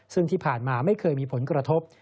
ซึ่งที่ผ่านมาไม่เคยมีผลกระทบ